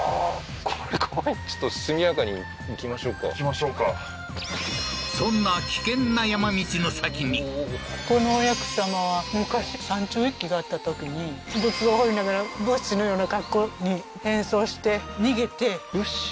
これ怖いちょっと速やかに行きましょうか行きましょうかそんなこの薬師さまは昔山中一揆があったときに仏像を彫りながら仏師のような格好に変装して逃げて仏師？